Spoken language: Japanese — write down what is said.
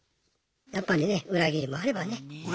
やっぱりね裏切りもあればね。